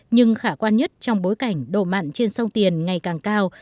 nhưng khả quan nhất trong bối cảnh độ mặn trên sông tiền ngày càng cao